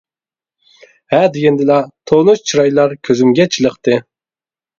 ھە دېگەندىلا تونۇش چىرايلار كۆزۈمگە چېلىقتى.